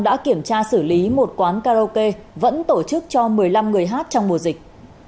đã kiểm tra xử lý một quán karaoke vẫn tổ chức cho một mươi năm người hát trong mùa dịch